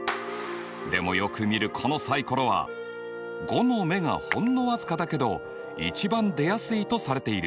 でもよく見るこのサイコロは５の目がほんの僅かだけど一番出やすいとされている。